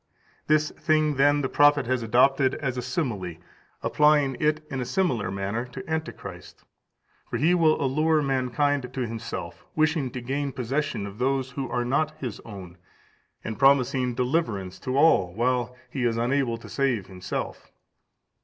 This thing, then, the prophet has adopted as a simile, applying it in a similar manner to Antichrist. For he will allure mankind to himself, wishing to gain possession of those who are not his own, and promising deliverance to all, while he is unable to save himself.